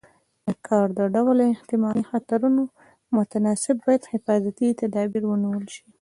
د کار د ډول او احتمالي خطرونو متناسب باید حفاظتي تدابیر ونیول شي.